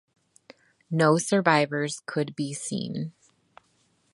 No survivors could be seen.